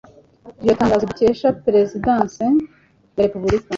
Iryo tangazo dukesha peresidansi ya Repubulika